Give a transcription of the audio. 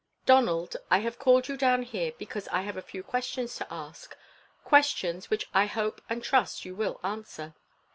"Donald, I have called you down here because I have a few questions to ask questions which I hope and trust you will answer.